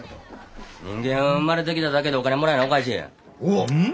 人間生まれてきただけでお金もらえなおかしいんや。